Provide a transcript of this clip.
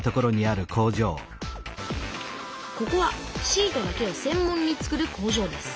ここはシートだけをせん門につくる工場です。